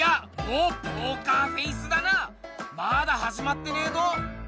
まだはじまってねえぞ！